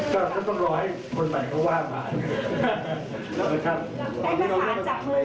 ก็จะต้องรอให้คนใหม่เขาว่าผ่าน